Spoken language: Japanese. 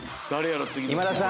今田さん